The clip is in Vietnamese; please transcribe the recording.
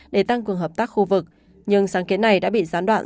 để tăng cường hợp tác khu vực nhưng sáng kiến này đã bị gián đoạn